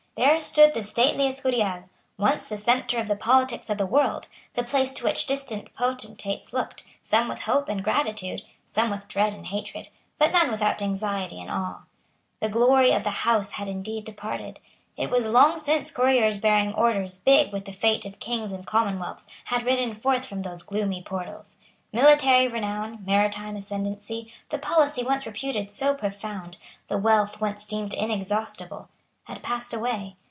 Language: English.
There stood the stately Escurial, once the centre of the politics of the world, the place to which distant potentates looked, some with hope and gratitude, some with dread and hatred, but none without anxiety and awe. The glory of the house had indeed departed. It was long since couriers bearing orders big with the fate of kings and commonwealths had ridden forth from those gloomy portals. Military renown, maritime ascendency, the policy once reputed so profound, the wealth once deemed inexhaustible, had passed away.